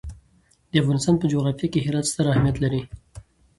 د افغانستان په جغرافیه کې هرات ستر اهمیت لري.